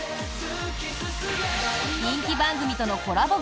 人気番組とのコラボ